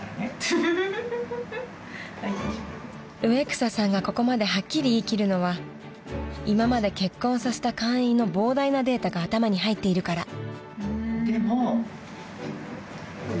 ［植草さんがここまではっきり言いきるのは今まで結婚させた会員の膨大なデータが頭に入っているから］